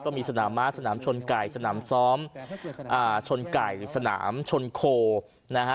มีสนามม้าสนามชนไก่สนามซ้อมชนไก่สนามชนโคนะฮะ